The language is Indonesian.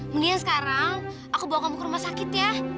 mendingan sekarang aku bawa kamu ke rumah sakit ya